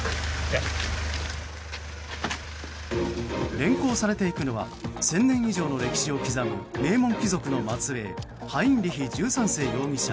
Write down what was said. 連行されていくのは１０００年以上の歴史を刻む名門貴族の末裔ハインリヒ１３世容疑者。